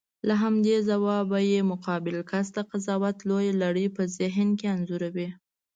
له همدې ځوابه یې مقابل کس د قضاوت لویه لړۍ په ذهن کې انځوروي.